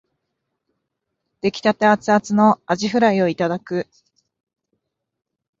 出来立てアツアツのあじフライをいただく